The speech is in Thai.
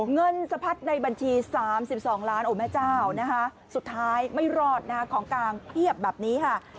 เงินพัดในบัญชี๓๒ล้านสุดท้ายไม่รอดของกางเทียบแบบนี้ค่ะ